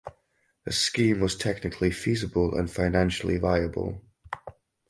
The scheme was technically feasible and financially viable.